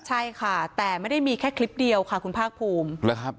ใช่ค่ะแต่ไม่ได้มีแค่คลิปเดียวค่ะคุณภาครับ